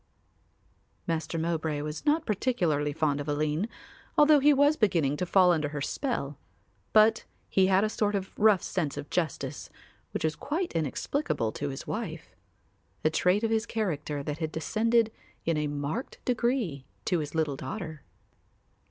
Master Mowbray was not particularly fond of Aline, although he was beginning to fall under her spell, but he had a sort of rough sense of justice, which was quite inexplicable to his wife; a trait of his character that had descended in a marked degree to his little daughter.